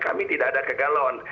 kami tidak ada kegalaan